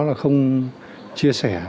là không chia sẻ